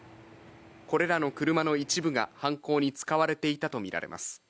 これらの車の一部が犯行に使われていたと見られます。